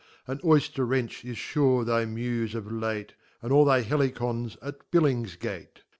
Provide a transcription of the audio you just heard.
An Oyfter wench is fure thy Mufe of Jate, Mid all thy Helicon's at BiUingfgate.